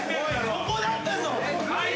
ここだったぞ。